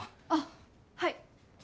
あっはい。